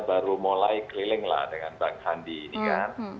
baru mulai kelilinglah dengan bang zulhas ini kan